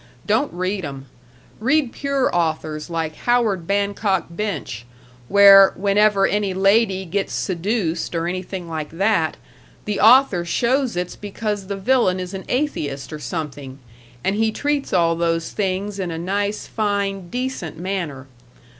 Don't read 'em. Read pure authors like Howard Bancock Binch, where, whenever any lady gets seduced or anything like that, the author shows it's because the villain is an atheist or something, and he treats all those things in a nice, fine, decent manner.